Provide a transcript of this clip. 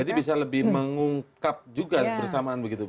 jadi bisa lebih mengungkap juga persamaan begitu ya